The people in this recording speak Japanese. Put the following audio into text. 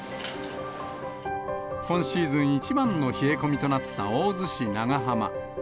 今シーズン一番の冷え込みとなった大洲市長浜。